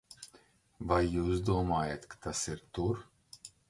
Vai jūs domājat, ka tas ir tur?